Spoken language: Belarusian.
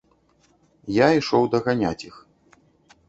Я ішоў даганяць іх.